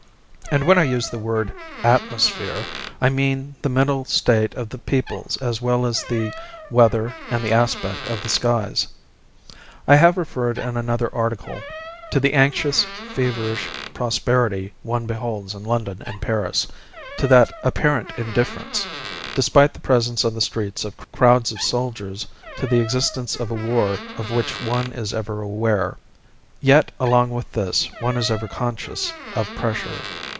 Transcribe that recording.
And when I use the word "atmosphere" I mean the mental state of the peoples as well as the weather and the aspect of the skies. I have referred in another article to the anxious, feverish prosperity one beholds in London and Paris, to that apparent indifference, despite the presence on the streets of crowds of soldiers to the existence of a war of which one is ever aware. Yet, along with this, one is ever conscious of pressure.